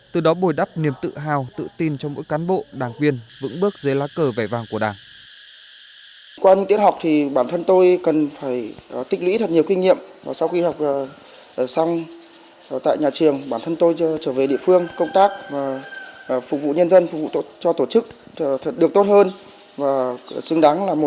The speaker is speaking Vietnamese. từ đó bồi đắp niềm tự hào tự tin cho mỗi cán bộ đảng viên vững bước dưới lá cờ vẻ vàng của đảng